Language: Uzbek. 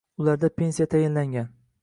Ularda pensiya tayinlangan